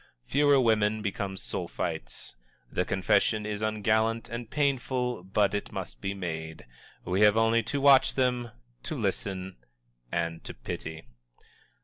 Fewer women become Sulphites. The confession is ungallant and painful, but it must be made. We have only to watch them, to listen and to pity.